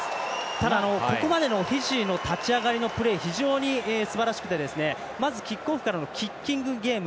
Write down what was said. ただ、ここまでのフィジーの立ち上がりのプレー非常にすばらしくてまずキックオフからのキッキングゲーム。